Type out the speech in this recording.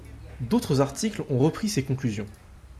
D'autres articles ont repris ces conclusions.